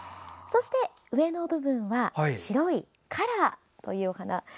そして、上の部分は白いカラーというお花。